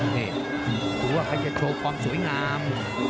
หัวจะโชว์ความสวยงาม